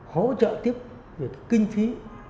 hỗ trợ tiếp kinh phí